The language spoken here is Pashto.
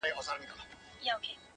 جرس فرهاد زما نژدې ملگرى؛